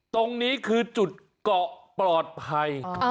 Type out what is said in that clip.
ตรงนี้คือจุดเกาะปลอดภัย